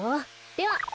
では。